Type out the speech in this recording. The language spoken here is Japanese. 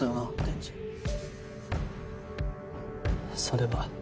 それは。